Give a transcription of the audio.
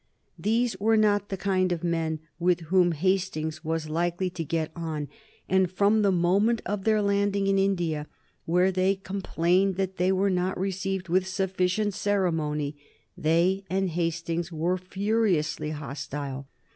These were not the kind of men with whom Hastings was likely to get on, and from the moment of their landing in India, where they complained that they were not received with sufficient ceremony, they and Hastings were furiously hostile.